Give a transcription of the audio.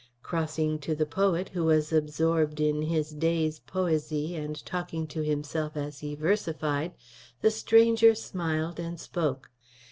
Crossing to the poet, who was absorbed in his day' poesy and talking to himself as he versified, the stranger smiled and spoke.